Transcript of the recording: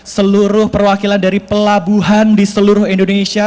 seluruh perwakilan dari pelabuhan di seluruh indonesia